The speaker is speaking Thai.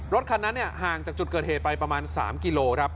รถคันนั้นห่างจากจุดเกิดเหตุไปประมาณ๓กิโลครับ